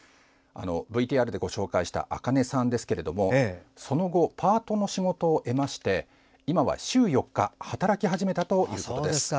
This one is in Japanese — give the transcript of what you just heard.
ＶＴＲでご紹介したあかねさんですけどもその後、パートの仕事を得まして今は週４日働き始めたということです。